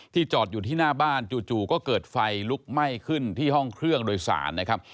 จอดอยู่ที่หน้าบ้านจู่ก็เกิดไฟลุกไหม้ขึ้นที่ห้องเครื่องโดยสารนะครับ